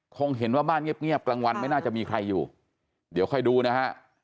คงเห็นว่าบ้านเงียบกลางวันไม่น่าจะมีใครอยู่เดี๋ยวค่อยดูนะฮะ